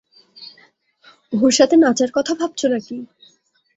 ওর সাথে নাচার কথা ভাবছো নাকি?